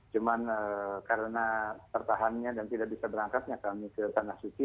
cuma karena tertahannya dan tidak bisa berangkatnya kami ke tanah suci